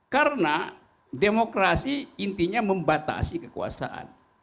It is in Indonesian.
karena demokrasi intinya membatasi kekuasaan